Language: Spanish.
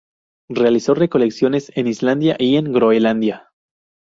Realizó recolecciones en Islandia y en Groenlandia.